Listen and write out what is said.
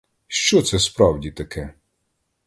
Що це, справді, таке?